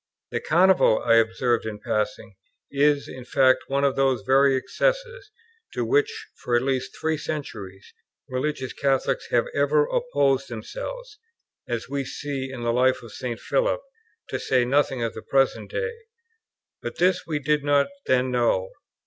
'" The Carnival, I observe in passing, is, in fact, one of those very excesses, to which, for at least three centuries, religious Catholics have ever opposed themselves, as we see in the life of St. Philip, to say nothing of the present day; but this we did not then know.